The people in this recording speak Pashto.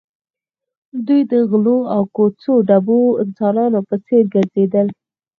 دوی د غلو او کوڅه ډبو انسانانو په څېر ګرځېدل